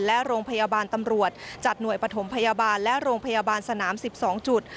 และโรงพยาบาลตำรวจจัดหน่วยปฐมพยาบาลและโรงพยาบาลสนาม๑๒จุด